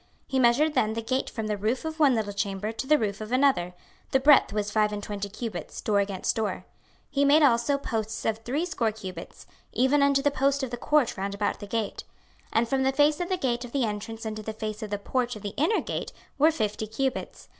26:040:013 He measured then the gate from the roof of one little chamber to the roof of another: the breadth was five and twenty cubits, door against door. 26:040:014 He made also posts of threescore cubits, even unto the post of the court round about the gate. 26:040:015 And from the face of the gate of the entrance unto the face of the porch of the inner gate were fifty cubits.